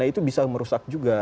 itu bisa merusak juga